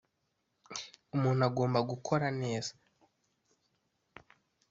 umuntu agomba gukora neza